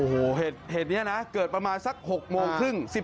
โอ้โหเหตุนี้นะเกิดประมาณสัก๖โมงครึ่ง